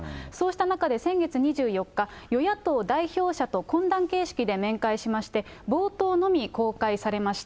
そうした中で先月２４日、与野党代表者と懇談形式で面会しまして、冒頭のみ公開されました。